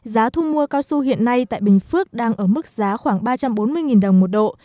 giá thu mua cao su hiện nay tại bình phước đang ở mức giá khoảng ba trăm bốn mươi đồng một độ